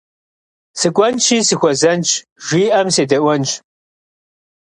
Сыкӏуэнщи сыхуэзэнщ, жиӏэм седэӏуэнщ.